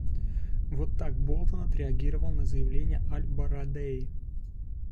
Вот так Болтон отреагировал на заявление аль-Барадеи.